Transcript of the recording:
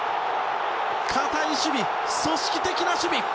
堅い守備、組織的な守備。